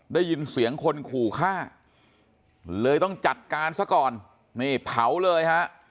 ได้ยินเสียงคนขู่ฆ่าเลยต้องจัดการซะก่อนนี่เผาเลยฮะ